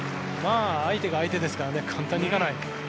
相手が相手ですから簡単にいかない。